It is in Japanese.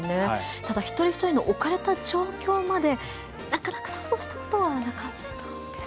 ただ一人一人の置かれた状況までなかなか、想像したことはなかったです。